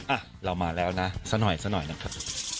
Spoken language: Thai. อ่ะเรามาแล้วนะสักหน่อยสักหน่อยนะครับ